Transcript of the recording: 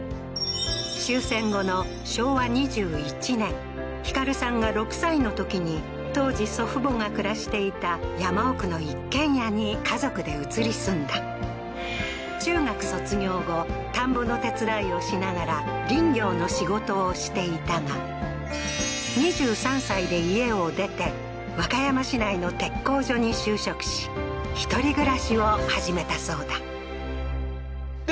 終戦後の昭和２１年光さんが６歳のときに当時祖父母が暮らしていた山奥の一軒家に家族で移り住んだ中学卒業後田んぼの手伝いをしながら林業の仕事をしていたが２３歳で家を出て和歌山市内の鉄工所に就職し１人暮らしを始めたそうだ